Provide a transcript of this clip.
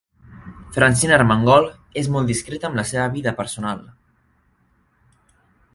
Francina Armengol és molt discreta amb la seva vida personal.